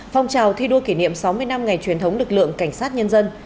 phong trào thi đua kỷ niệm sáu mươi năm ngày truyền thống lực lượng cảnh sát nhân dân